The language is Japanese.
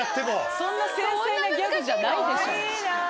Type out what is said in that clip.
そんな繊細なギャグじゃないでしょ。